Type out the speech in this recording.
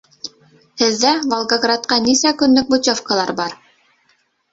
Һеҙҙә Волгоградҡа нисә көнлөк путевкалар бар?